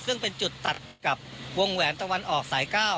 ซึ่งเป็นจุดตัดกับวงแหวนตะวันออกสาย๙